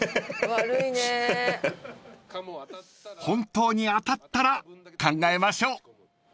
［本当に当たったら考えましょう］